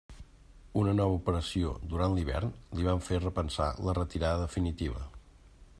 Una nova operació durant l'hivern li van fer repensar la retirada definitiva.